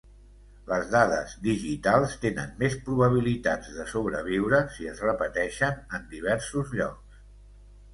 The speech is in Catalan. Les dades digitals tenen més probabilitats de sobreviure si es repeteixen en diversos llocs.